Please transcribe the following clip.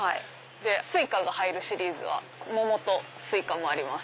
Ｓｕｉｃａが入るシリーズは桃とスイカもあります。